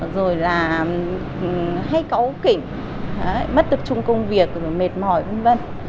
rồi là hay có ố kỉnh mất tập trung công việc mệt mỏi v v